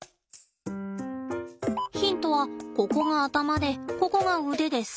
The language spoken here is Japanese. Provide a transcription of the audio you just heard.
ヒントはここが頭でここが腕です。